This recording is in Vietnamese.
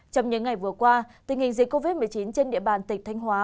trong những ngày vừa qua tình hình dịch covid một mươi chín trên địa bàn tỉnh thanh hóa